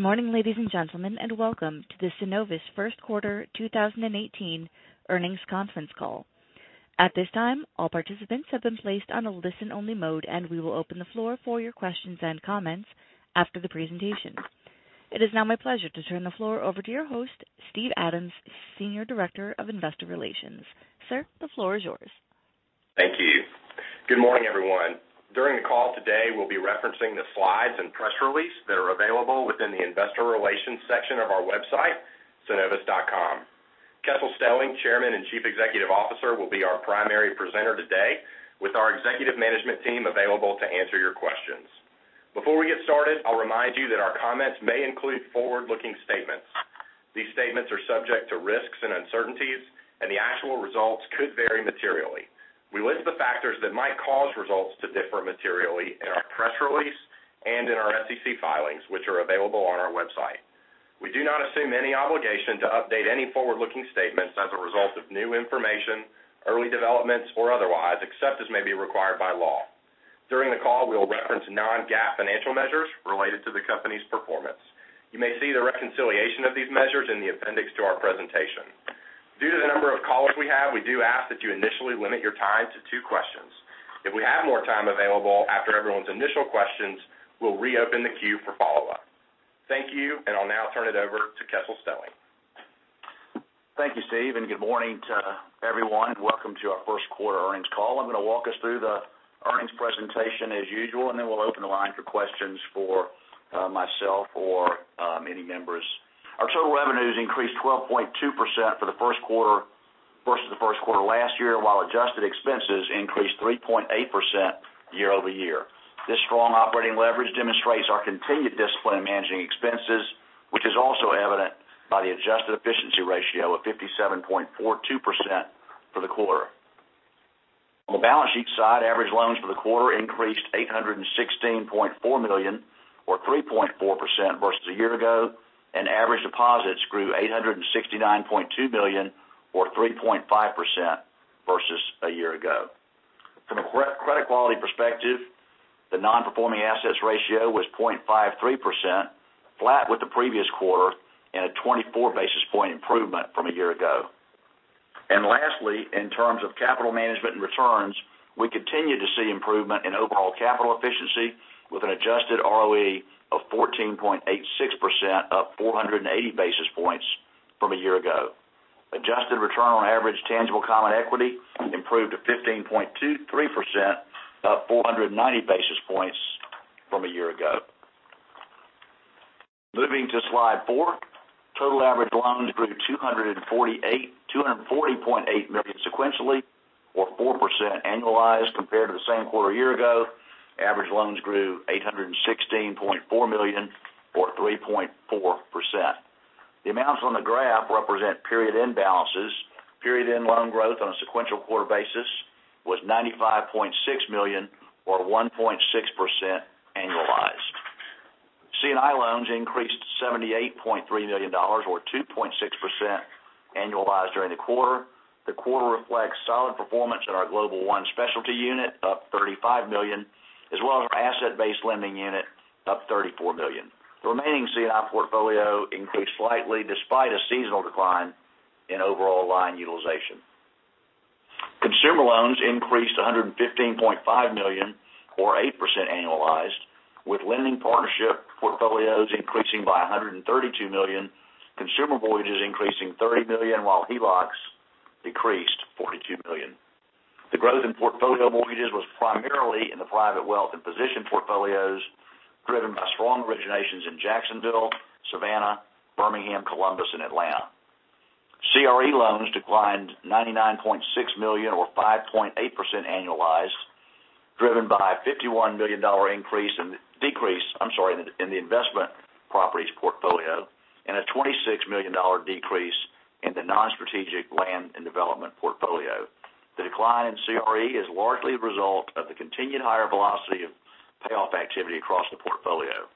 Good morning, ladies and gentlemen, and welcome to the Synovus first quarter 2018 earnings conference call. At this time, all participants have been placed on a listen-only mode, and we will open the floor for your questions and comments after the presentation. It is now my pleasure to turn the floor over to your host, Steve Adams, Senior Director of Investor Relations. Sir, the floor is yours. Thank you. Good morning, everyone. During the call today, we'll be referencing the slides and press release that are available within the Investor Relations section of our website, synovus.com. Kessel Stelling, Chairman and Chief Executive Officer, will be our primary presenter today, with our executive management team available to answer your questions. Before we get started, I'll remind you that our comments may include forward-looking statements. These statements are subject to risks and uncertainties, and the actual results could vary materially. We list the factors that might cause results to differ materially in our press release and in our SEC filings, which are available on our website. We do not assume any obligation to update any forward-looking statements as a result of new information, early developments, or otherwise, except as may be required by law. During the call, we'll reference non-GAAP financial measures related to the company's performance. You may see the reconciliation of these measures in the appendix to our presentation. Due to the number of callers we have, we do ask that you initially limit your time to two questions. If we have more time available after everyone's initial questions, we'll reopen the queue for follow-up. Thank you. I'll now turn it over to Kessel Stelling. Thank you, Steve. Good morning to everyone. Welcome to our first quarter earnings call. I'm going to walk us through the earnings presentation as usual, and then we'll open the line for questions for myself or many members. Our total revenues increased 12.2% for the first quarter versus the first quarter last year, while adjusted expenses increased 3.8% year-over-year. This strong operating leverage demonstrates our continued discipline in managing expenses, which is also evident by the adjusted efficiency ratio of 57.42% for the quarter. On the balance sheet side, average loans for the quarter increased $816.4 million, or 3.4% versus a year ago, and average deposits grew $869.2 million or 3.5% versus a year ago. From a credit quality perspective, the non-performing assets ratio was 0.53%, flat with the previous quarter, and a 24 basis point improvement from a year ago. Lastly, in terms of capital management and returns, we continue to see improvement in overall capital efficiency with an adjusted ROE of 14.86%, up 480 basis points from a year ago. Adjusted return on average tangible common equity improved to 15.23%, up 490 basis points from a year ago. Moving to slide four. Total average loans grew $240.8 million sequentially or 4% annualized compared to the same quarter a year ago. Average loans grew $816.4 million or 3.4%. The amounts on the graph represent period-end balances. Period-end loan growth on a sequential quarter basis was $95.6 million or 1.6% annualized. C&I loans increased $78.3 million or 2.6% annualized during the quarter. The quarter reflects solid performance in our Global One specialty unit, up $35 million, as well as our asset-based lending unit, up $34 million. The remaining C&I portfolio increased slightly despite a seasonal decline in overall line utilization. Consumer loans increased $115.5 million or 8% annualized, with lending partnership portfolios increasing by $132 million, consumer mortgages increasing $30 million, while HELOCs decreased $42 million. The growth in portfolio mortgages was primarily in the private wealth and position portfolios, driven by strong originations in Jacksonville, Savannah, Birmingham, Columbus, and Atlanta. CRE loans declined $99.6 million or 5.8% annualized, driven by a $51 million decrease in the investment properties portfolio, and a $26 million decrease in the non-strategic land and development portfolio. The decline in CRE is largely a result of the continued higher velocity of payoff activity across the portfolio.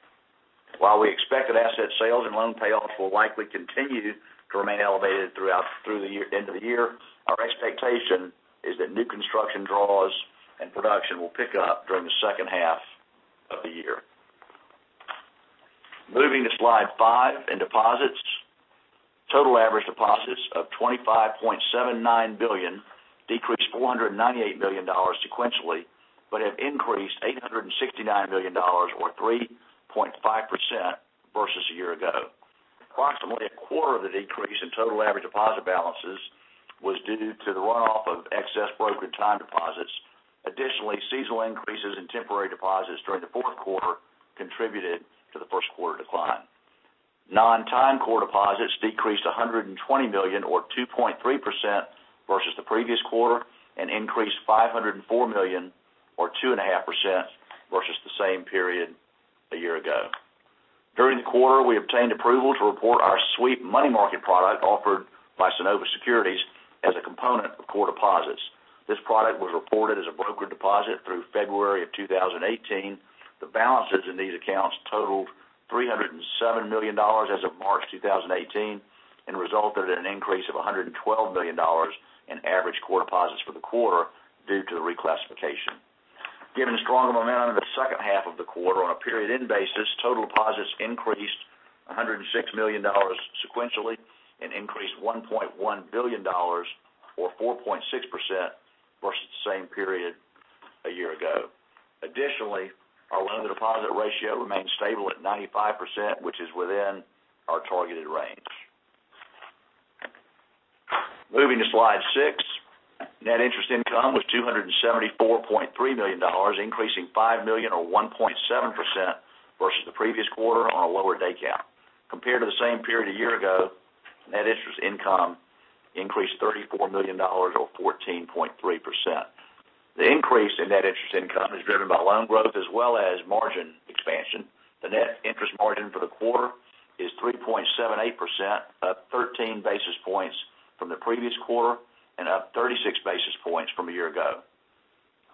While we expect that asset sales and loan payoffs will likely continue to remain elevated through the end of the year, our expectation is that new construction draws and production will pick up during the second half of the year. Moving to slide five in deposits. Total average deposits of $25.79 billion decreased $498 million sequentially, but have increased $869 million or 3.5% versus a year ago. Approximately a quarter of the decrease in total average deposit balances was due to the runoff of excess broker time deposits. Additionally, seasonal increases in temporary deposits during the fourth quarter contributed to the first quarter decline. Non-time core deposits decreased $120 million or 2.3% versus the previous quarter and increased $504 million or 2.5% versus the same period a year ago. During the quarter, we obtained approval to report our Bank Deposit Sweep Program offered by Synovus Securities as a component of core deposits. This product was reported as a broker deposit through February of 2018. The balances in these accounts totaled $307 million as of March 2018 and resulted in an increase of $112 million in average core deposits for the quarter due to the reclassification. Given the strong momentum in the second half of the quarter, on a period end basis, total deposits increased $106 million sequentially and increased $1.1 billion or 4.6% versus the same period a year ago. Additionally, our loan to deposit ratio remains stable at 95%, which is within our targeted range. Moving to slide six, net interest income was $274.3 million, increasing $5 million or 1.7% versus the previous quarter on a lower day count. Compared to the same period a year ago, net interest income increased $34 million or 14.3%. The increase in net interest income is driven by loan growth as well as margin expansion. The net interest margin for the quarter is 3.78%, up 13 basis points from the previous quarter and up 36 basis points from a year ago.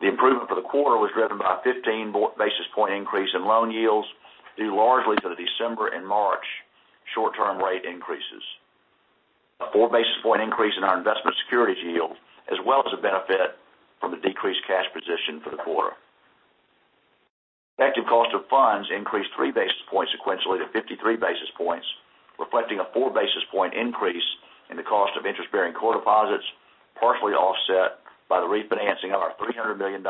The improvement for the quarter was driven by a 15-basis point increase in loan yields, due largely to the December and March short-term rate increases. A four basis point increase in our investment securities yield, as well as a benefit from the decreased cash position for the quarter. Effective cost of funds increased three basis points sequentially to 53 basis points, reflecting a four basis point increase in the cost of interest-bearing core deposits, partially offset by the refinancing of our $300 million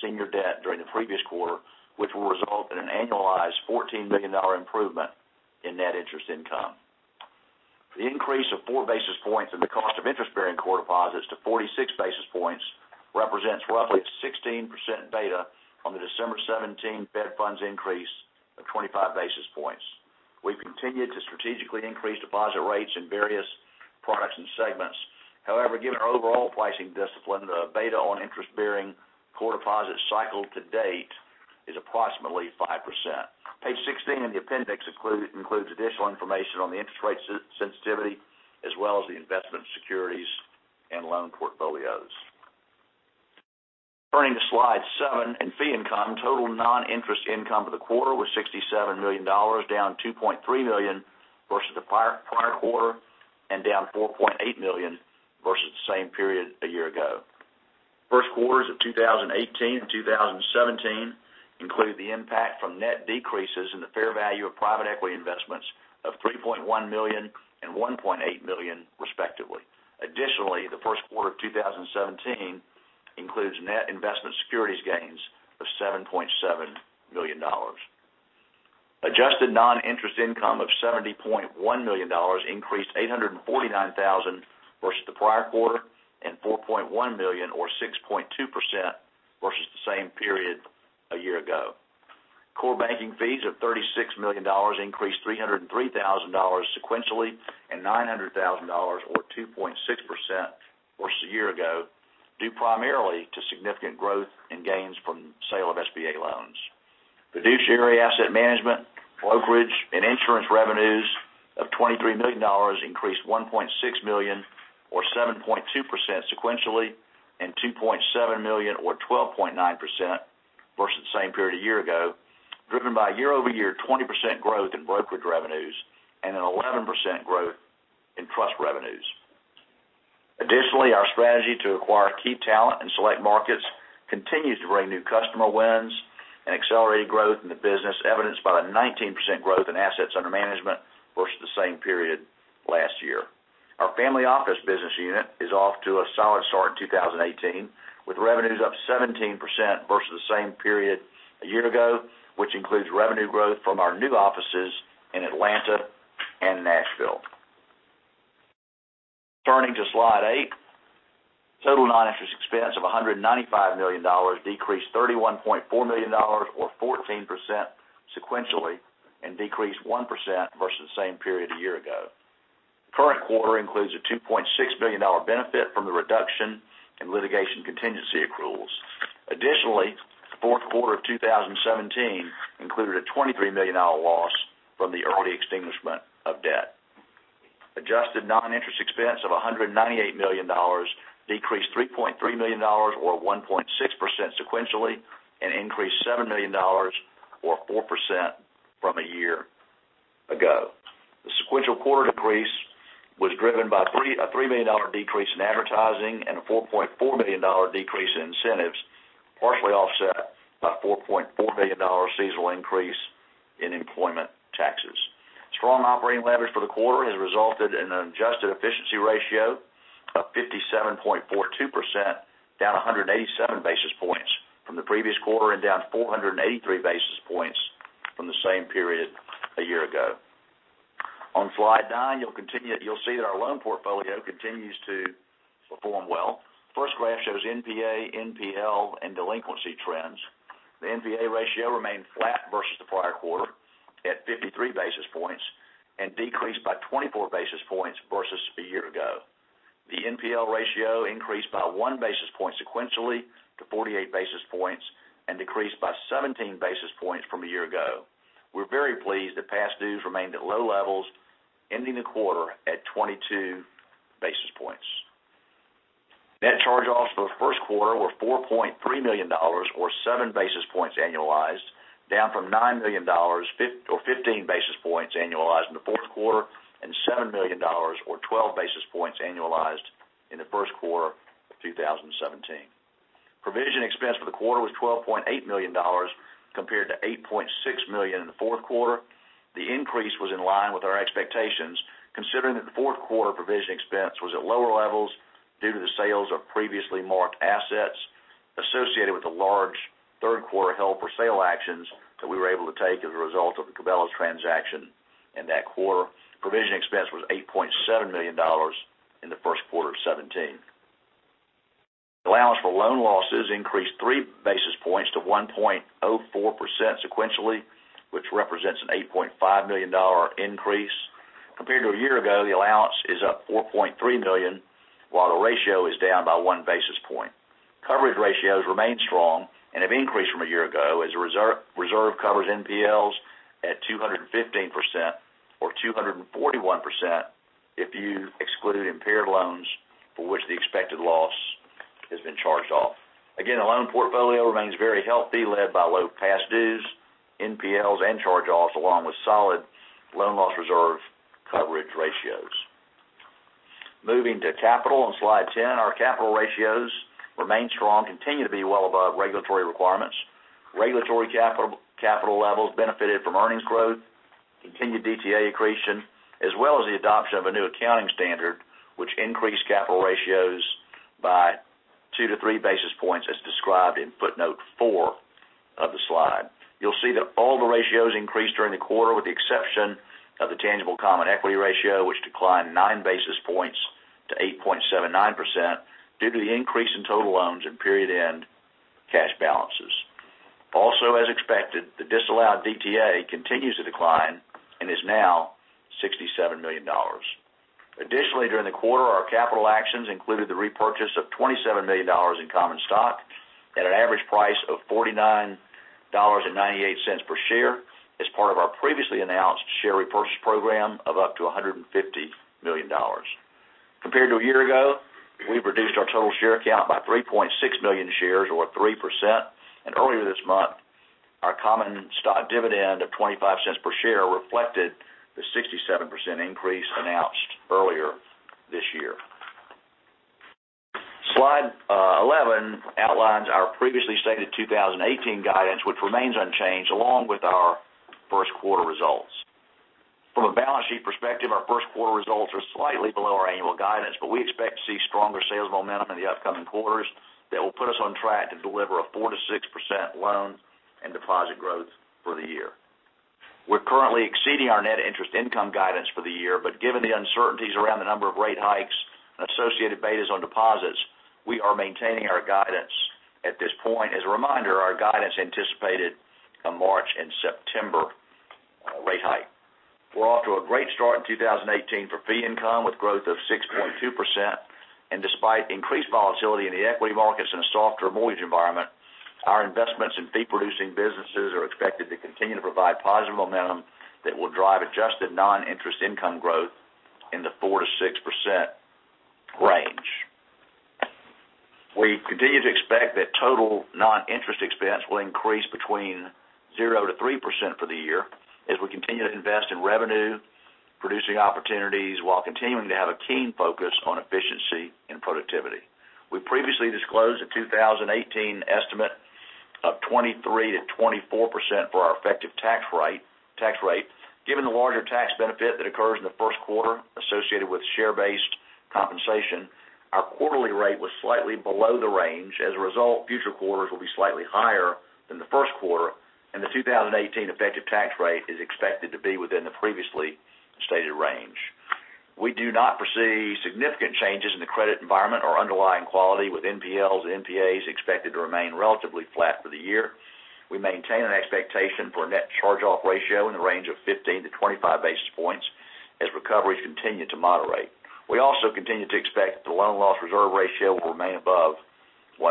senior debt during the previous quarter, which will result in an annualized $14 million improvement in net interest income. The increase of four basis points in the cost of interest-bearing core deposits to 46 basis points represents roughly 16% beta on the December 2017 Fed funds increase of 25 basis points. We've continued to strategically increase deposit rates in various products and segments. Given our overall pricing discipline, the beta on interest-bearing core deposit cycle to date is approximately 5%. Page 16 in the appendix includes additional information on the interest rate sensitivity as well as the investment securities and loan portfolios. Turning to slide seven, in fee income, total non-interest income for the quarter was $67 million, down $2.3 million versus the prior quarter and down $4.8 million versus the same period a year ago. First quarters of 2018 and 2017 include the impact from net decreases in the fair value of private equity investments of $3.1 million and $1.8 million, respectively. The first quarter of 2017 includes net investment securities gains of $7.7 million. Adjusted non-interest income of $70.1 million increased $849,000 versus the prior quarter and $4.1 million or 6.2% versus the same period a year ago. Core banking fees of $36 million increased $303,000 sequentially and $900,000, or 2.6%, versus a year ago, due primarily to significant growth in gains from sale of SBA loans. Fiduciary asset management, brokerage, and insurance revenues of $23 million increased $1.6 million or 7.2% sequentially and $2.7 million or 12.9% versus the same period a year ago, driven by year-over-year 20% growth in brokerage revenues and an 11% growth in trust revenues. Our strategy to acquire key talent in select markets continues to bring new customer wins and accelerated growth in the business, evidenced by the 19% growth in assets under management versus the same period last year. Our family office business unit is off to a solid start in 2018, with revenues up 17% versus the same period a year ago, which includes revenue growth from our new offices in Atlanta and Nashville. Turning to slide eight, total non-interest expense of $195 million decreased $31.4 million or 14% sequentially and decreased 1% versus the same period a year ago. The current quarter includes a $2.6 million benefit from the reduction in litigation contingency accruals. The fourth quarter of 2017 included a $23 million loss from the early extinguishment of debt. Adjusted non-interest expense of $198 million decreased $3.3 million, or 1.6%, sequentially and increased $7 million, or 4%, from a year ago. The sequential quarter decrease was driven by a $3 million decrease in advertising and a $4.4 million decrease in incentives, partially offset by a $4.4 million seasonal increase in employment taxes. Strong operating leverage for the quarter has resulted in an adjusted efficiency ratio of 57.42%, down 187 basis points from the previous quarter and down 483 basis points from the same period a year ago. On slide nine, you'll see that our loan portfolio continues to perform well. The first graph shows NPA, NPL, and delinquency trends. The NPA ratio remained flat versus the prior quarter at 53 basis points and decreased by 24 basis points versus a year ago. The NPL ratio increased by one basis point sequentially to 48 basis points and decreased by 17 basis points from a year ago. We're very pleased that past dues remained at low levels, ending the quarter at 22 basis points. Net charge-offs for the first quarter were $4.3 million or seven basis points annualized. Down from $9 million, or 15 basis points annualized in the fourth quarter, $7 million, or 12 basis points annualized in the first quarter of 2017. Provision expense for the quarter was $12.8 million, compared to $8.6 million in the fourth quarter. The increase was in line with our expectations, considering that the fourth quarter provision expense was at lower levels due to the sales of previously marked assets associated with the large third quarter held-for-sale actions that we were able to take as a result of the Cabela's transaction in that quarter. Provision expense was $8.7 million in the first quarter of 2017. Allowance for loan losses increased three basis points to 1.04% sequentially, which represents an $8.5 million increase. Compared to a year ago, the allowance is up $4.3 million, while the ratio is down by one basis point. Coverage ratios remain strong and have increased from a year ago, as reserve covers NPLs at 215%, or 241% if you excluded impaired loans for which the expected loss has been charged off. Again, the loan portfolio remains very healthy, led by low past dues, NPLs, and charge-offs, along with solid loan loss reserve coverage ratios. Moving to capital on slide 10. Our capital ratios remain strong, continue to be well above regulatory requirements. Regulatory capital levels benefited from earnings growth, continued DTA accretion, as well as the adoption of a new accounting standard, which increased capital ratios by two to three basis points as described in footnote four of the slide. You'll see that all the ratios increased during the quarter, with the exception of the tangible common equity ratio, which declined nine basis points to 8.79% due to the increase in total loans and period end cash balances. As expected, the disallowed DTA continues to decline and is now $67 million. Additionally, during the quarter, our capital actions included the repurchase of $27 million in common stock at an average price of $49.98 per share as part of our previously announced share repurchase program of up to $150 million. Compared to a year ago, we've reduced our total share count by 3.6 million shares or 3%. Earlier this month, our common stock dividend of $0.25 per share reflected the 67% increase announced earlier this year. Slide 11 outlines our previously stated 2018 guidance, which remains unchanged, along with our first quarter results. From a balance sheet perspective, our first quarter results are slightly below our annual guidance, but we expect to see stronger sales momentum in the upcoming quarters that will put us on track to deliver a 4%-6% loan and deposit growth for the year. We're currently exceeding our net interest income guidance for the year, but given the uncertainties around the number of rate hikes and associated betas on deposits, we are maintaining our guidance at this point. As a reminder, our guidance anticipated a March and September rate hike. We're off to a great start in 2018 for fee income with growth of 6.2%. Despite increased volatility in the equity markets and a softer mortgage environment, our investments in fee-producing businesses are expected to continue to provide positive momentum that will drive adjusted non-interest income growth in the 4%-6% range. We continue to expect that total non-interest expense will increase between 0%-3% for the year as we continue to invest in revenue-producing opportunities while continuing to have a keen focus on efficiency and productivity. We previously disclosed a 2018 estimate of 23%-24% for our effective tax rate. Given the larger tax benefit that occurs in the first quarter associated with share-based compensation, our quarterly rate was slightly below the range. As a result, future quarters will be slightly higher than the first quarter, and the 2018 effective tax rate is expected to be within the previously stated range. We do not foresee significant changes in the credit environment or underlying quality, with NPLs and NPAs expected to remain relatively flat for the year. We maintain an expectation for a net charge-off ratio in the range of 15 to 25 basis points as recoveries continue to moderate. We also continue to expect the loan loss reserve ratio will remain above 1%.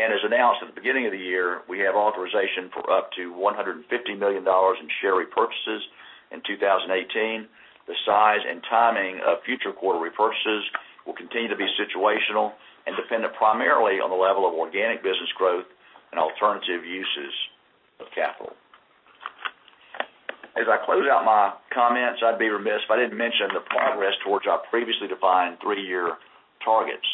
As announced at the beginning of the year, we have authorization for up to $150 million in share repurchases in 2018. The size and timing of future quarter repurchases will continue to be situational and dependent primarily on the level of organic business growth and alternative uses of capital. As I close out my comments, I'd be remiss if I didn't mention the progress towards our previously defined three-year targets.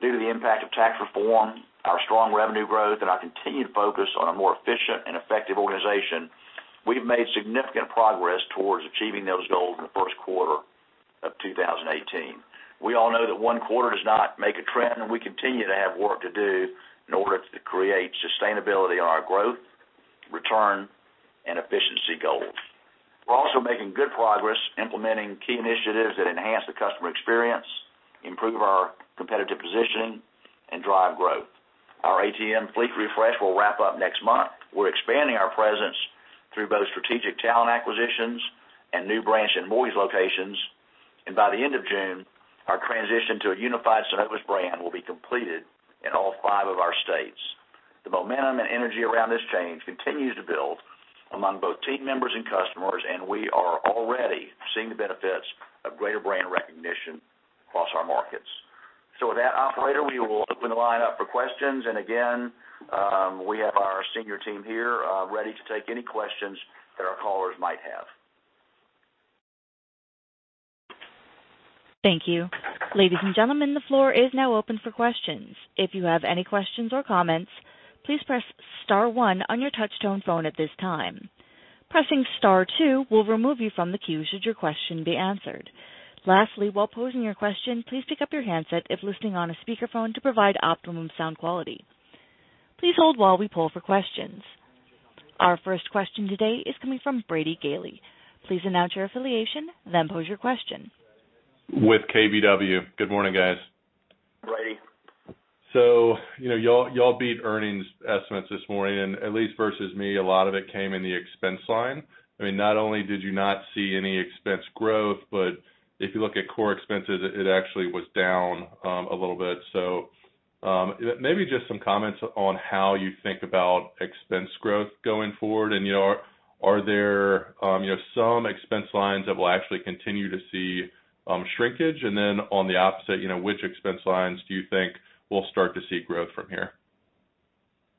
Due to the impact of tax reform, our strong revenue growth, and our continued focus on a more efficient and effective organization, we've made significant progress towards achieving those goals in the first quarter of 2018. We all know that one quarter does not make a trend, and we continue to have work to do in order to create sustainability on our growth, return, and efficiency goals. We're also making good progress implementing key initiatives that enhance the customer experience, improve our competitive positioning, and drive growth. Our ATM fleet refresh will wrap up next month. We're expanding our presence through both strategic talent acquisitions and new branch and mortgage locations. By the end of June, our transition to a unified Synovus brand will be completed in all five of our states. The momentum and energy around this change continues to build among both team members and customers, and we are already seeing the benefits of greater brand recognition. Operator, we will open the line up for questions. we have our senior team here ready to take any questions that our callers might have. Thank you. Ladies and gentlemen, the floor is now open for questions. If you have any questions or comments, please press star one on your touch-tone phone at this time. Pressing star two will remove you from the queue should your question be answered. Lastly, while posing your question, please pick up your handset if listening on a speakerphone to provide optimum sound quality. Please hold while we poll for questions. Our first question today is coming from Brady Gailey. Please announce your affiliation, then pose your question. With KBW. Good morning, guys. Brady. you all beat earnings estimates this morning, and at least versus me, a lot of it came in the expense line. Not only did you not see any expense growth, but if you look at core expenses, it actually was down a little bit. maybe just some comments on how you think about expense growth going forward, and are there some expense lines that will actually continue to see shrinkage? on the opposite, which expense lines do you think we'll start to see growth from here?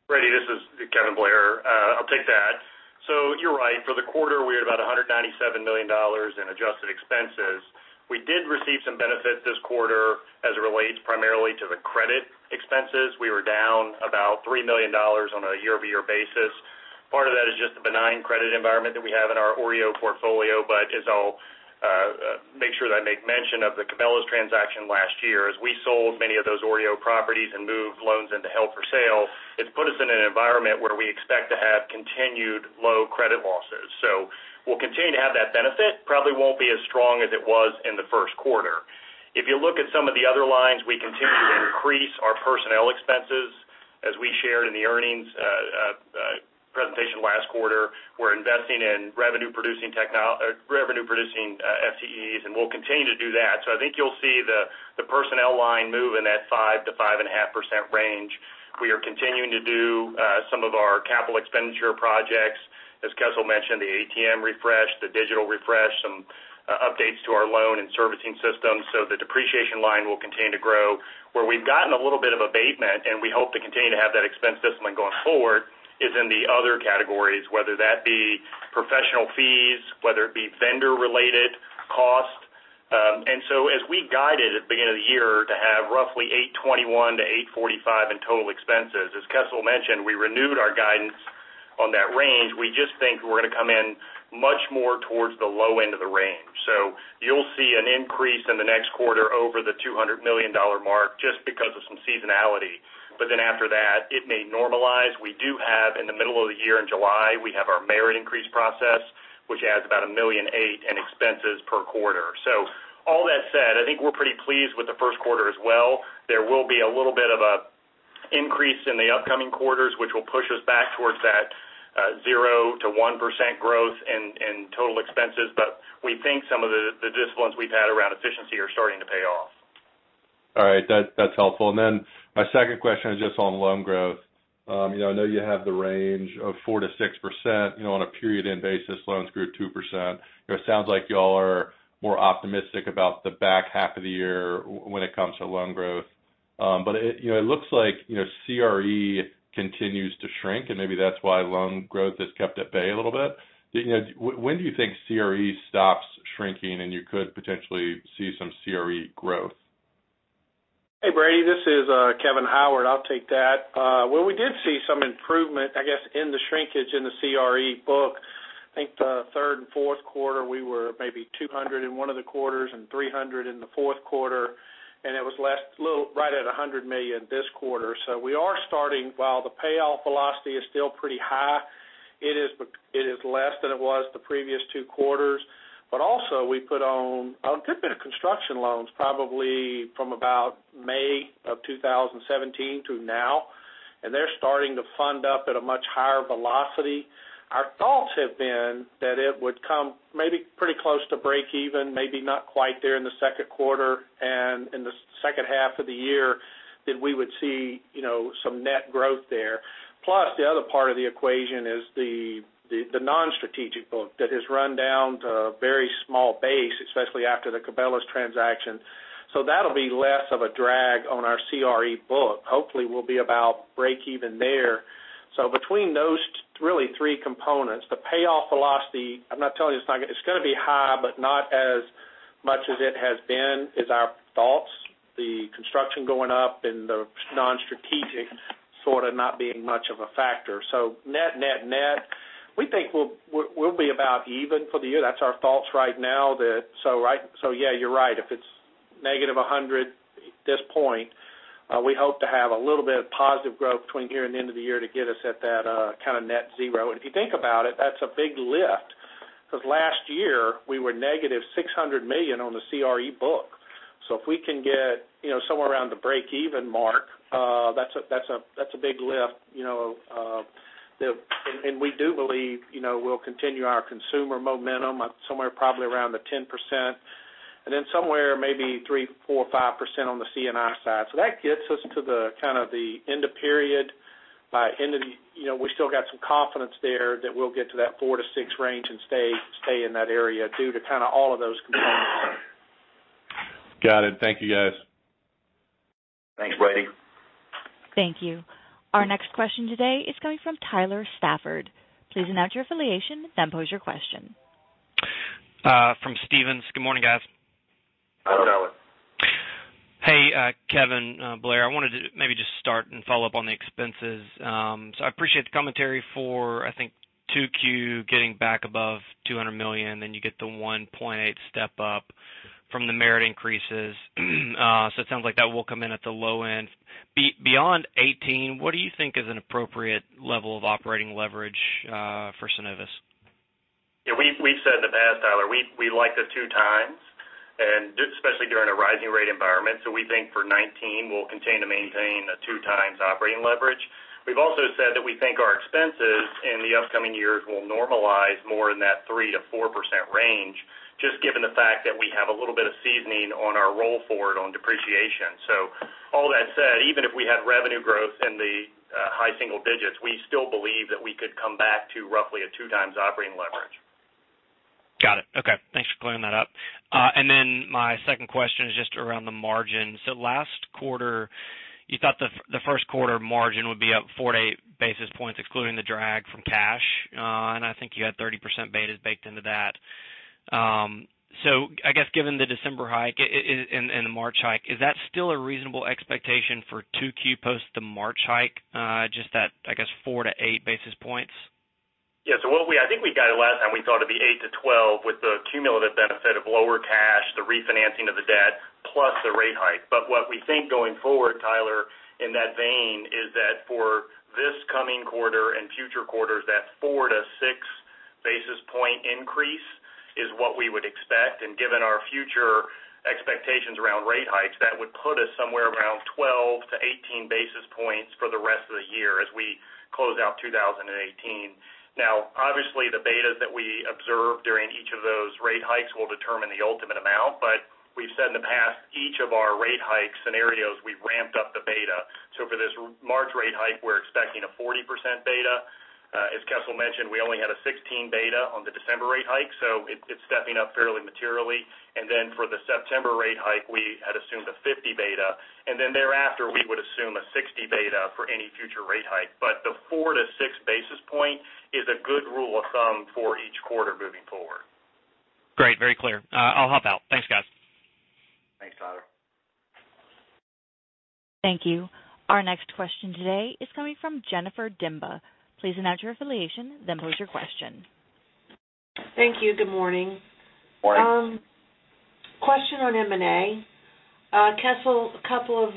Brady, this is Kevin Blair. I'll take that. You're right. For the quarter, we had about $197 million in adjusted expenses. We did receive some benefits this quarter as it relates primarily to the credit expenses. We were down about $3 million on a year-over-year basis. Part of that is just the benign credit environment that we have in our OREO portfolio, but as I'll make sure that I make mention of the Cabela's transaction last year, as we sold many of those OREO properties and moved loans into held for sale, it's put us in an environment where we expect to have continued low credit losses. We'll continue to have that benefit. Probably won't be as strong as it was in the first quarter. If you look at some of the other lines, we continue to increase our personnel expenses. As we shared in the earnings presentation last quarter, we're investing in revenue-producing FTEs, we'll continue to do that. I think you'll see the personnel line move in that 5%-5.5% range. We are continuing to do some of our capital expenditure projects. As Kessel mentioned, the ATM refresh, the digital refresh, some updates to our loan and servicing systems. The depreciation line will continue to grow. Where we've gotten a little bit of abatement, and we hope to continue to have that expense discipline going forward, is in the other categories, whether that be professional fees, whether it be vendor-related cost. As we guided at the beginning of the year to have roughly $821 million-$845 million in total expenses, as Kessel mentioned, we renewed our guidance on that range. We just think we're going to come in much more towards the low end of the range. You'll see an increase in the next quarter over the $200 million mark just because of some seasonality. After that, it may normalize. We do have in the middle of the year in July, we have our merit increase process, which adds about $1.8 million in expenses per quarter. All that said, I think we're pretty pleased with the first quarter as well. There will be a little bit of an increase in the upcoming quarters, which will push us back towards that 0%-1% growth in total expenses. We think some of the disciplines we've had around efficiency are starting to pay off. All right. That's helpful. My second question is just on loan growth. I know you have the range of 4%-6% on a period end basis, loans grew 2%. It sounds like you all are more optimistic about the back half of the year when it comes to loan growth. It looks like CRE continues to shrink, and maybe that's why loan growth is kept at bay a little bit. When do you think CRE stops shrinking and you could potentially see some CRE growth? Hey, Brady, this is Kevin Howard. I'll take that. Well, we did see some improvement, I guess, in the shrinkage in the CRE book. I think the third and fourth quarter, we were maybe $200 million in one of the quarters and $300 million in the fourth quarter, and it was right at $100 million this quarter. We are starting, while the payoff velocity is still pretty high, it is less than it was the previous two quarters. Also we put on a good bit of construction loans probably from about May of 2017 to now, and they're starting to fund up at a much higher velocity. Our thoughts have been that it would come maybe pretty close to breakeven, maybe not quite there in the second quarter and in the second half of the year, that we would see some net growth there. Plus, the other part of the equation is the non-strategic book that has run down to a very small base, especially after the Cabela's transaction. That'll be less of a drag on our CRE book. Hopefully, we'll be about breakeven there. Between those really three components, the payoff velocity, I'm not telling you it's not, it's going to be high, but not as much as it has been is our thoughts. The construction going up and the non-strategic sort of not being much of a factor. Net, net, we think we'll be about even for the year. That's our thoughts right now. Yeah, you're right. If it's negative $100 million at this point, we hope to have a little bit of positive growth between here and the end of the year to get us at that kind of net zero. If you think about it, that's a big lift because last year we were negative $600 million on the CRE book. If we can get somewhere around the breakeven mark, that's a big lift. We do believe we'll continue our consumer momentum somewhere probably around the 10%, and then somewhere maybe 3%, 4%, 5% on the C&I side. That gets us to the kind of the end of period We still got some confidence there that we'll get to that 4%-6% range and stay in that area due to kind of all of those components. Got it. Thank you, guys. Thanks, Brady. Thank you. Our next question today is coming from Tyler Stafford. Please announce your affiliation, then pose your question. From Stephens. Good morning, guys. Hello, Tyler. Hey, Kevin Blair. I wanted to maybe just start and follow up on the expenses. I appreciate the commentary for, I think, 2Q getting back above $200 million, then you get the 1.8 step up from the merit increases. It sounds like that will come in at the low end. Beyond 2018, what do you think is an appropriate level of operating leverage for Synovus? We've said in the past, Tyler, we like the two times and especially during a rising rate environment. We think for 2019, we'll continue to maintain a two times operating leverage. We've also said that we think our expenses in the upcoming years will normalize more in that 3%-4% range, just given the fact that we have a little bit of seasoning on our roll forward on depreciation. All that said, even if we had revenue growth in the high single digits, we still believe that we could come back to roughly a two times operating leverage. Got it. Okay. Thanks for clearing that up. My second question is just around the margins. Last quarter, you thought the first quarter margin would be up four to eight basis points, excluding the drag from cash. I think you had 30% betas baked into that. I guess given the December hike and the March hike, is that still a reasonable expectation for 2Q post the March hike, just that, I guess, four to eight basis points? Yeah. I think we guided last time, we thought it'd be 8 to 12 with the cumulative benefit of lower cash, the refinancing of the debt, plus the rate hike. What we think going forward, Tyler, in that vein, is that for this coming quarter and future quarters, that 4 to 6 basis point increase is what we would expect. Given our future expectations around rate hikes, that would put us somewhere around 12 to 18 basis points for the rest of the year as we close out 2018. Obviously, the betas that we observe during each of those rate hikes will determine the ultimate amount. We've said in the past, each of our rate hike scenarios, we've ramped up the beta. For this March rate hike, we're expecting a 40% beta. As Kessel mentioned, we only had a 16 beta on the December rate hike, it's stepping up fairly materially. For the September rate hike, we had assumed a 50 beta, thereafter, we would assume a 60 beta for any future rate hike. The 4 to 6 basis point is a good rule of thumb for each quarter moving forward. Great. Very clear. I'll hop out. Thanks, guys. Thanks, Tyler. Thank you. Our next question today is coming from Jennifer Demba. Please announce your affiliation, then pose your question. Thank you. Good morning. Morning. Question on M&A. Kessel, a couple of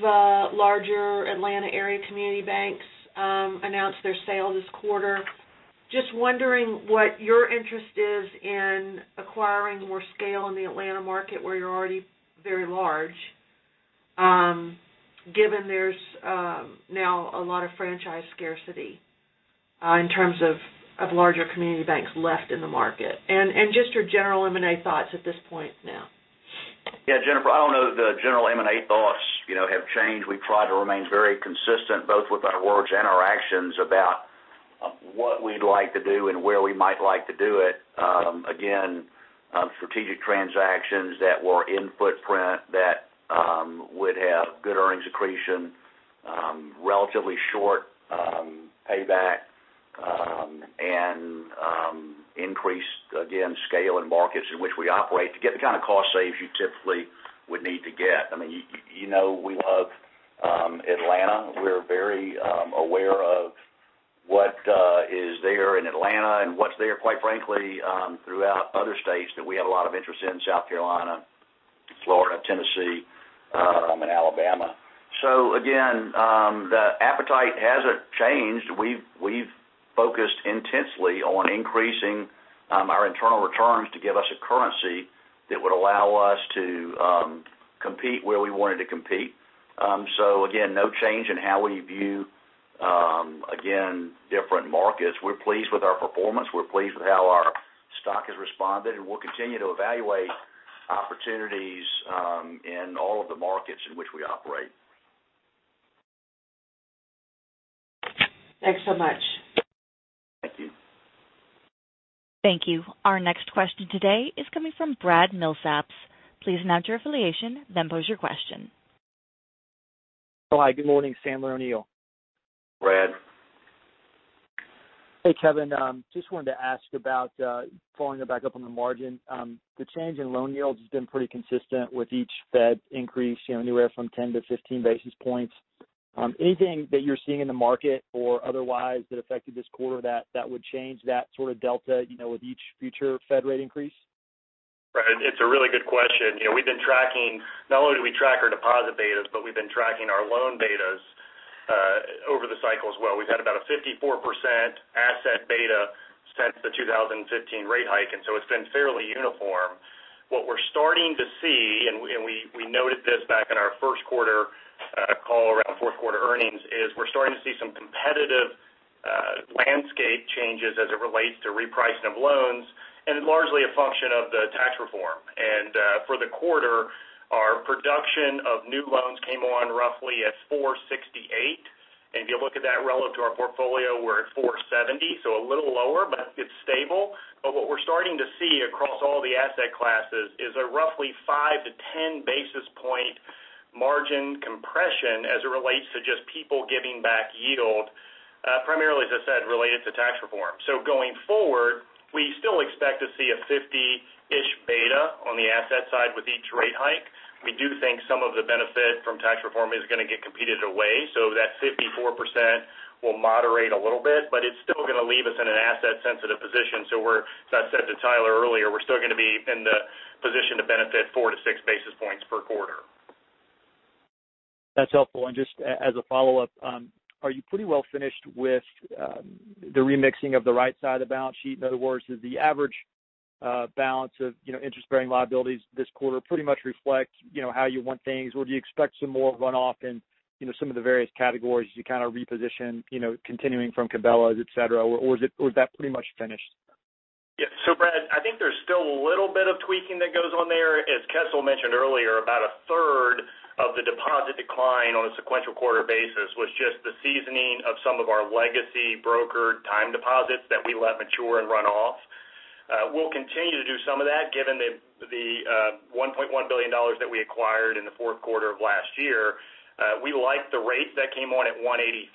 larger Atlanta area community banks announced their sale this quarter. Just wondering what your interest is in acquiring more scale in the Atlanta market, where you're already very large, given there's now a lot of franchise scarcity in terms of larger community banks left in the market. Just your general M&A thoughts at this point now. Yeah, Jennifer, I don't know if the general M&A thoughts have changed. We try to remain very consistent both with our words and our actions about what we'd like to do and where we might like to do it. Again, strategic transactions that were in footprint that would have good earnings accretion, relatively short payback, and increase, again, scale in markets in which we operate to get the kind of cost saves you typically would need to get. You know we love Atlanta. We're very aware of what is there in Atlanta and what's there, quite frankly, throughout other states that we have a lot of interest in, South Carolina, Florida, Tennessee, and Alabama. Again, the appetite hasn't changed. We've focused intensely on increasing our internal returns to give us a currency that would allow us to compete where we wanted to compete. Again, no change in how we view different markets. We're pleased with our performance. We're pleased with how our stock has responded, and we'll continue to evaluate opportunities in all of the markets in which we operate. Thanks so much. Thank you. Thank you. Our next question today is coming from Brad Millsaps. Please announce your affiliation, then pose your question. Hi, good morning. Sandler O'Neill. Brad. Hey, Kevin. Just wanted to ask about following back up on the margin. The change in loan yields has been pretty consistent with each Fed increase, anywhere from 10 to 15 basis points. Anything that you're seeing in the market or otherwise that affected this quarter that would change that sort of delta with each future Fed rate increase? Brad, it's a really good question. Not only do we track our deposit betas, but we've been tracking our loan betas over the cycle as well. It's been fairly uniform. We've had about a 54% asset beta since the 2015 rate hike. What we're starting to see, and we noted this back in our first quarter call around fourth quarter earnings, is we're starting to see some competitive landscape changes as it relates to repricing of loans and largely a function of the tax reform. For the quarter, our production of new loans came on roughly at 468. If you look at that relative to our portfolio, we're at 470, so a little lower, but it's stable. What we're starting to see across all the asset classes is a roughly 5 to 10 basis point margin compression as it relates to just people giving back yield, primarily, as I said, related to tax reform. Going forward, we still expect to see a 50-ish beta on the asset side with each rate hike. We do think some of the benefit from tax reform is going to get competed away, so that 54% will moderate a little bit, but it's still going to leave us in an asset-sensitive position. As I said to Tyler earlier, we're still going to be in the position to benefit four to six basis points per quarter. That's helpful. Just as a follow-up, are you pretty well finished with the remixing of the right side of the balance sheet? In other words, does the average balance of interest-bearing liabilities this quarter pretty much reflect how you want things? Do you expect some more runoff in some of the various categories as you kind of reposition continuing from Cabela's, et cetera, or is that pretty much finished? Yeah. Brad, I think there's still a little bit of tweaking that goes on there. As Kessel mentioned earlier, about a third of the deposit decline on a sequential quarter basis was just the seasoning of some of our legacy brokered time deposits that we let mature and run off. We'll continue to do some of that given the $1.1 billion that we acquired in the fourth quarter of last year. We liked the rate that came on at 183.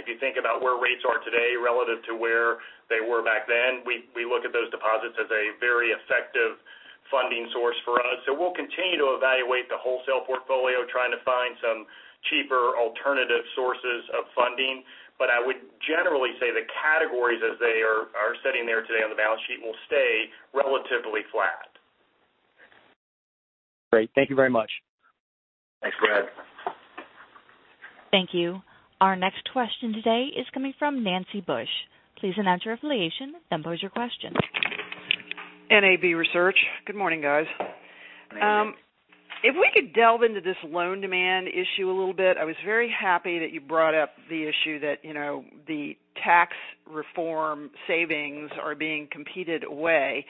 If you think about where rates are today relative to where they were back then, we look at those deposits as a very effective funding source for us. We'll continue to evaluate the wholesale portfolio, trying to find some cheaper alternative sources of funding. I would generally say the categories as they are sitting there today on the balance sheet will stay relatively flat. Great. Thank you very much. Thanks, Brad. Thank you. Our next question today is coming from Nancy Bush. Please state your affiliation then pose your question. NAB Research. Good morning, guys. Good morning. If we could delve into this loan demand issue a little bit, I was very happy that you brought up the issue that the tax reform savings are being competed away.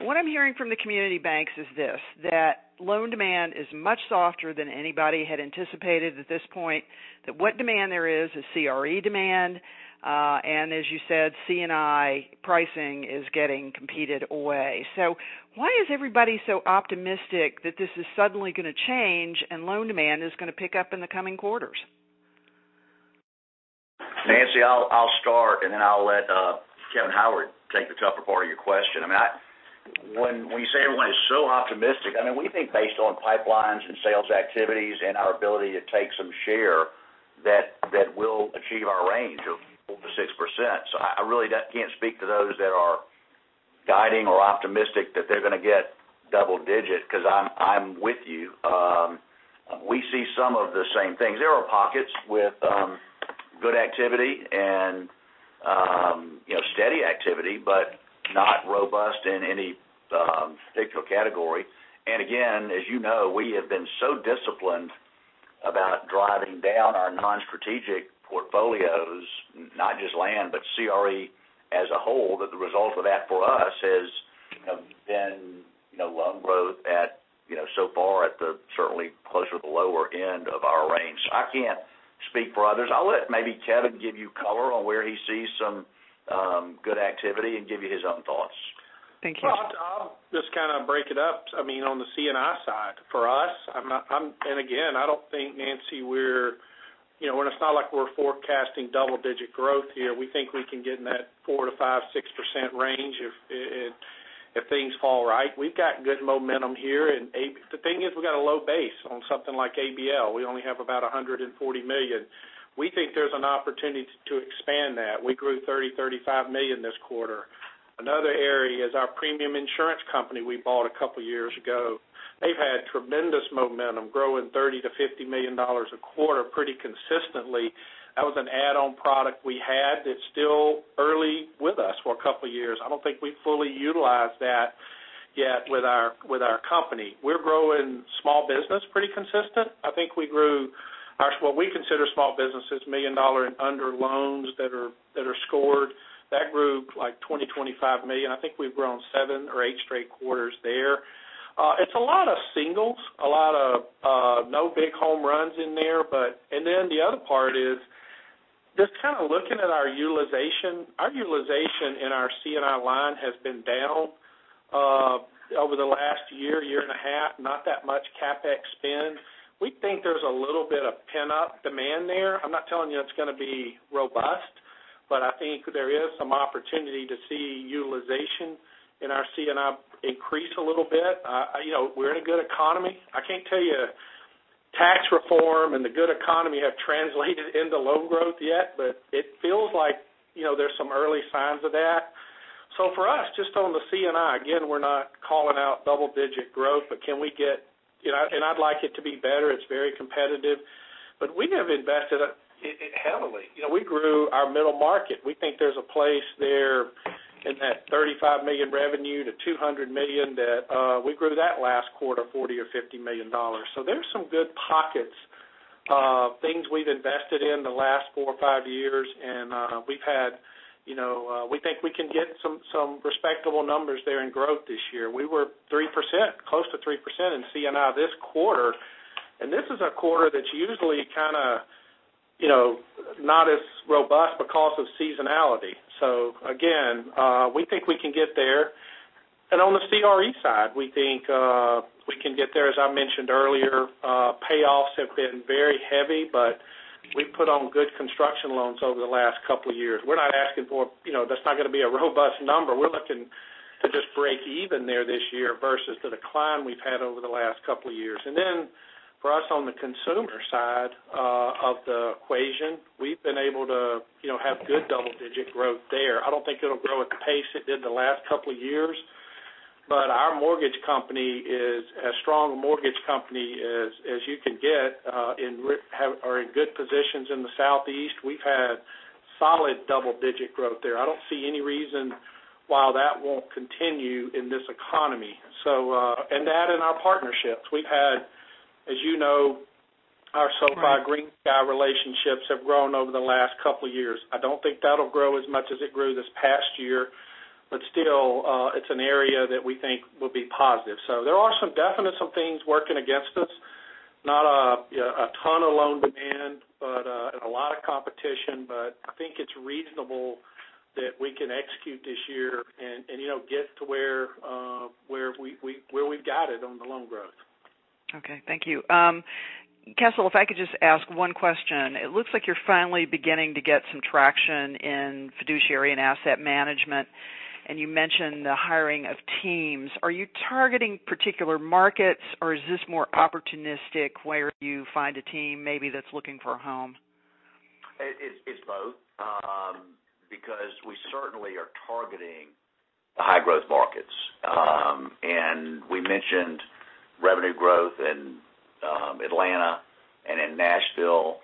What I'm hearing from the community banks is this, that loan demand is much softer than anybody had anticipated at this point, that what demand there is CRE demand. As you said, C&I pricing is getting competed away. Why is everybody so optimistic that this is suddenly going to change and loan demand is going to pick up in the coming quarters? Nancy, I'll start, then I'll let Kevin Howard take the tougher part of your question. When you say everyone is so optimistic, we think based on pipelines and sales activities and our ability to take some share, that we'll achieve our range of 4%-6%. I really can't speak to those that are guiding or optimistic that they're going to get double digit because I'm with you. We see some of the same things. There are pockets with good activity and steady activity, but not robust in any particular category. Again, as you know, we have been so disciplined about driving down our non-strategic portfolios, not just land, but CRE as a whole, that the result of that for us has been loan growth so far at the certainly closer to the lower end of our range. I can't speak for others. I'll let maybe Kevin give you color on where he sees some good activity and give you his own thoughts. Thank you. I'll just kind of break it up. On the C&I side, for us, again, I don't think, Nancy, it's not like we're forecasting double digit growth here. We think we can get in that 4%-6% range if things fall right. We've got good momentum here. The thing is, we've got a low base on something like ABL. We only have about $140 million. We think there's an opportunity to expand that. We grew $30 million, $35 million this quarter. Another area is our premium insurance company we bought a couple of years ago. They've had tremendous momentum, growing $30 million to $50 million a quarter pretty consistent. That was an add-on product we had that's still early with us for a couple of years. I don't think we fully utilized that yet with our company. We're growing small business pretty consistent. What we consider small business is $1 million and under loans that are scored. That grew $20 million, $25 million. I think we've grown seven or eight straight quarters there. It's a lot of singles, a lot of no big home runs in there. The other part is just kind of looking at our utilization. Our utilization in our C&I line has been down over the last year and a half, not that much CapEx spend. We think there's a little bit of pent-up demand there. I'm not telling you it's going to be robust, but I think there is some opportunity to see utilization in our C&I increase a little bit. We're in a good economy. I can't tell you tax reform and the good economy have translated into loan growth yet, but it feels like there's some early signs of that. For us, just on the C&I, again, we're not calling out double-digit growth, and I'd like it to be better. It's very competitive, but we have invested heavily. We grew our middle market. We think there's a place there. That $35 million revenue to $200 million, we grew that last quarter $40 million or $50 million. There's some good pockets of things we've invested in the last four or five years, and we think we can get some respectable numbers there in growth this year. We were close to 3% in C&I this quarter, and this is a quarter that's usually not as robust because of seasonality. Again, we think we can get there. On the CRE side, we think we can get there. As I mentioned earlier, payoffs have been very heavy, but we've put on good construction loans over the last couple of years. That's not going to be a robust number. We're looking to just break even there this year versus the decline we've had over the last couple of years. For us on the consumer side of the equation, we've been able to have good double-digit growth there. I don't think it'll grow at the pace it did the last couple of years, but our mortgage company is as strong a mortgage company as you can get. We are in good positions in the Southeast. We've had solid double-digit growth there. I don't see any reason why that won't continue in this economy. That and our partnerships. We've had, as you know, our so-called GreenSky relationships have grown over the last couple of years. I don't think that'll grow as much as it grew this past year, but still it's an area that we think will be positive. There are some definite things working against us, not a ton of loan demand, but a lot of competition. I think it's reasonable that we can execute this year and get to where we've guided on the loan growth. Okay. Thank you. Kessel, if I could just ask one question. It looks like you're finally beginning to get some traction in fiduciary and asset management, and you mentioned the hiring of teams. Are you targeting particular markets, or is this more opportunistic where you find a team maybe that's looking for a home? It's both. We certainly are targeting the high growth markets. We mentioned revenue growth in Atlanta and in Nashville.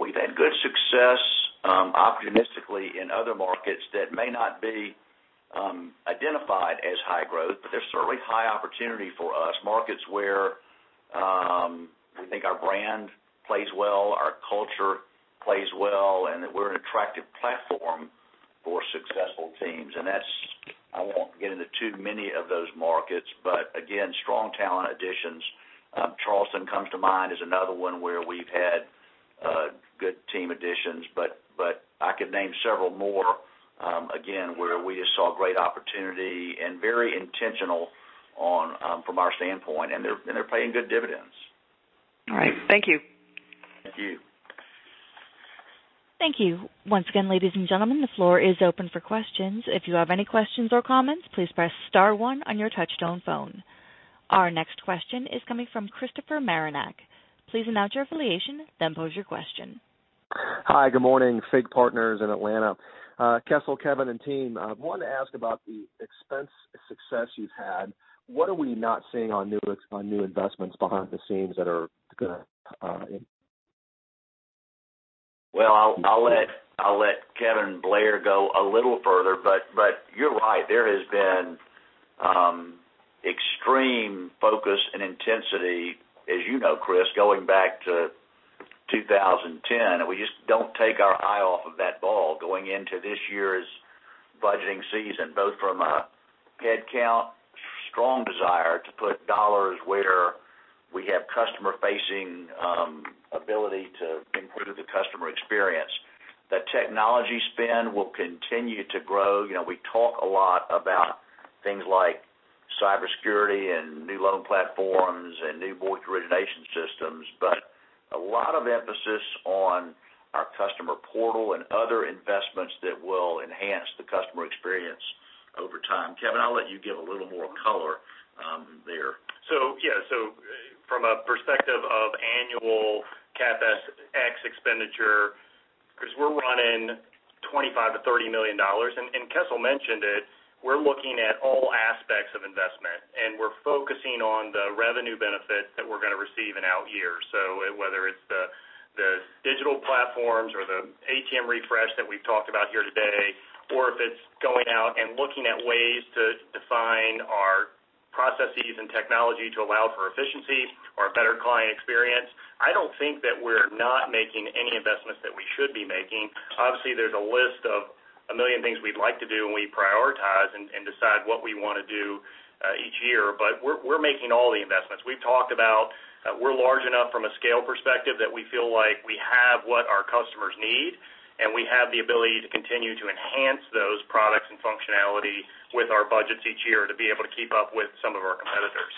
We've had good success opportunistically in other markets that may not be identified as high growth, but there's certainly high opportunity for us. Markets where we think our brand plays well, our culture plays well, and that we're an attractive platform for successful teams. I won't get into too many of those markets, but again, strong talent additions. Charleston comes to mind as another one where we've had good team additions, but I could name several more, again, where we just saw great opportunity and very intentional from our standpoint, and they're paying good dividends. All right. Thank you. Thank you. Thank you. Once again, ladies and gentlemen, the floor is open for questions. If you have any questions or comments, please press star one on your touchtone phone. Our next question is coming from Christopher Marinac. Please announce your affiliation, then pose your question. Hi, good morning, FIG Partners in Atlanta. Kessel, Kevin, and team, I wanted to ask about the expense success you've had. What are we not seeing on new investments behind the scenes that are going to? I'll let Kevin Blair go a little further. You're right. There has been extreme focus and intensity, as you know, Chris, going back to 2010, and we just don't take our eye off of that ball going into this year's budgeting season, both from a head count, strong desire to put dollars where we have customer-facing ability to improve the customer experience. The technology spend will continue to grow. We talk a lot about things like cybersecurity and new loan platforms and new mortgage origination systems, but a lot of emphasis on our customer portal and other investments that will enhance the customer experience over time. Kevin, I'll let you give a little more color there. From a perspective of annual CapEx expenditure, because we're running $25 million-$30 million, and Kessel mentioned it, we're looking at all aspects of investment, and we're focusing on the revenue benefit that we're going to receive in out years. Whether it's the digital platforms or the ATM refresh that we've talked about here today, or if it's going out and looking at ways to define our processes and technology to allow for efficiency or a better client experience, I don't think that we're not making any investments that we should be making. Obviously, there's a list of a million things we'd like to do, and we prioritize and decide what we want to do each year. We're making all the investments. We've talked about we're large enough from a scale perspective that we feel like we have what our customers need, and we have the ability to continue to enhance those products and functionality with our budgets each year to be able to keep up with some of our competitors.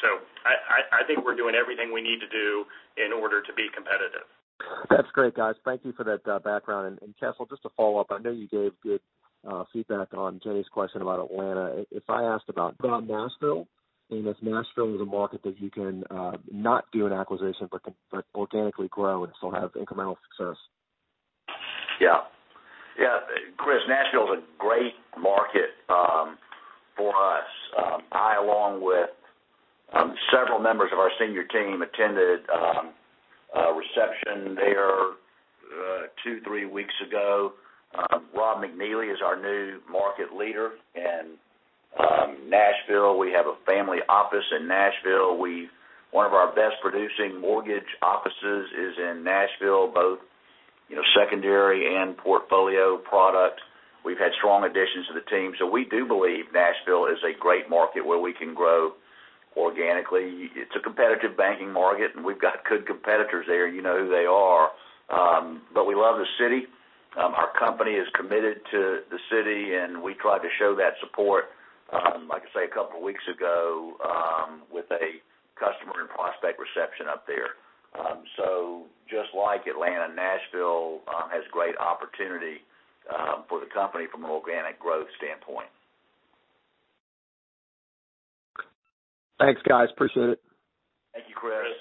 I think we're doing everything we need to do in order to be competitive. That's great, guys. Thank you for that background. Kessel, just to follow up, I know you gave good feedback on Jenny's question about Atlanta. If I asked about Nashville, and if Nashville is a market that you can not do an acquisition but organically grow and still have incremental success. Yeah. Chris, Nashville is a great market for us. I, along with several members of our senior team attended a reception there two, three weeks ago. Rob McNeely is our new market leader in Nashville. We have a family office in Nashville. One of our best producing mortgage offices is in Nashville, both secondary and portfolio product. We've had strong additions to the team. We do believe Nashville is a great market where we can grow organically. It's a competitive banking market, and we've got good competitors there. You know who they are. We love the city. Our company is committed to the city, and we try to show that support, like I say, a couple of weeks ago, with a customer and prospect reception up there. Just like Atlanta, Nashville has great opportunity for the company from an organic growth standpoint. Thanks, guys. Appreciate it. Thank you, Chris.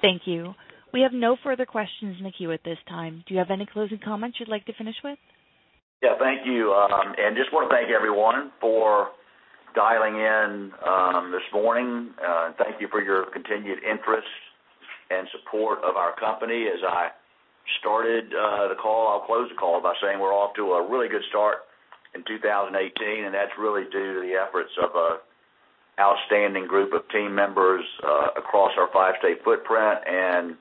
Thank you. We have no further questions in the queue at this time. Do you have any closing comments you'd like to finish with? Yeah, thank you. Just want to thank everyone for dialing in this morning. Thank you for your continued interest and support of our company. As I started the call, I'll close the call by saying we're off to a really good start in 2018, and that's really due to the efforts of an outstanding group of team members across our five-state footprint and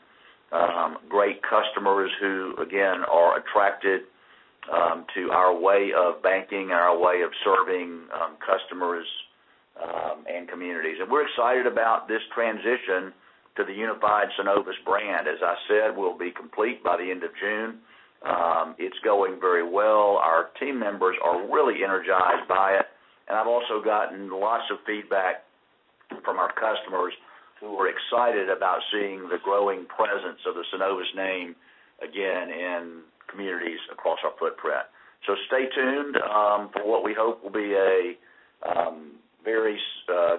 great customers who, again, are attracted to our way of banking and our way of serving customers and communities. We're excited about this transition to the unified Synovus brand. As I said, we'll be complete by the end of June. It's going very well. Our team members are really energized by it, and I've also gotten lots of feedback from our customers who are excited about seeing the growing presence of the Synovus name again in communities across our footprint. Stay tuned for what we hope will be a very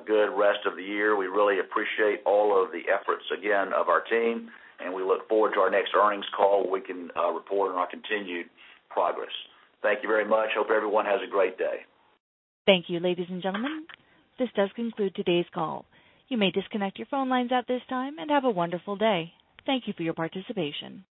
good rest of the year. We really appreciate all of the efforts, again, of our team, and we look forward to our next earnings call where we can report on our continued progress. Thank you very much. Hope everyone has a great day. Thank you, ladies and gentlemen. This does conclude today's call. You may disconnect your phone lines at this time, and have a wonderful day. Thank you for your participation.